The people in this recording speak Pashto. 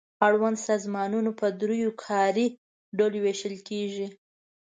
اړوند سازمانونه په دریو کاري ډلو وېشل کیږي.